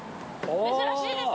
珍しいですね。